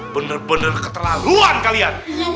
bener bener keterlaluan kalian